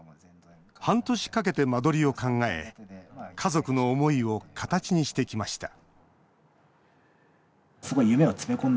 半年かけて間取りを考え家族の思いを形にしてきました